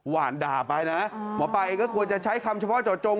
หวานด่าไปนะหมอปลาเองก็ควรจะใช้คำเฉพาะเจาะจง